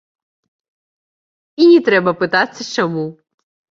І не трэба пытацца, чаму.